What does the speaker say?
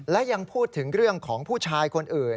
และยังพูดถึงเรื่องของผู้ชายคนอื่น